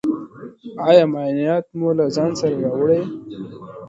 ایا معاینات مو له ځان سره راوړي دي؟